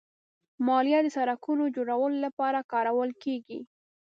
مالیه د سړکونو جوړولو لپاره کارول کېږي.